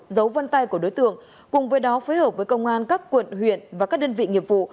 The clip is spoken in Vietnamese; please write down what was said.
dấu vân tay của đối tượng cùng với đó phối hợp với công an các quận huyện và các đơn vị nghiệp vụ